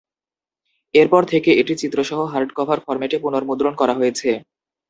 এরপর থেকে এটি চিত্রসহ হার্ডকভার ফরম্যাটে পুনঃমুদ্রণ করা হয়েছে।